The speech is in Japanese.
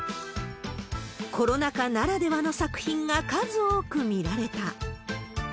コロナ禍ならではの作品が数多く見られた。